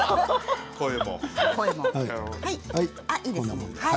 声も。